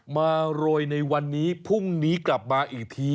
โรยในวันนี้พรุ่งนี้กลับมาอีกที